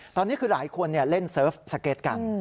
ตอนนี้คือหลายคนเล่นเซิร์ฟสเก็ตกัน